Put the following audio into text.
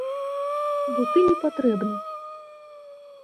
Бо ты не патрэбны.